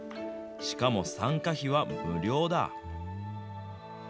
しかも参加費は無料だ。